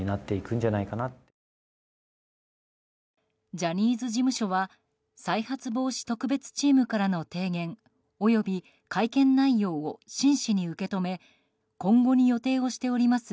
ジャニーズ事務所は再発防止特別チームからの提言及び会見内容を真摯に受け止め今後に予定しております